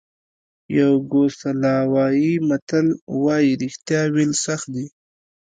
یوګوسلاویې متل وایي رښتیا ویل سخت دي.